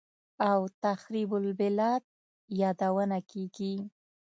او «تخریب البلاد» یادونه کېږي